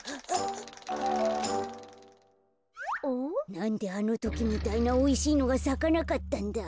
なんであのときみたいなおいしいのがさかなかったんだ。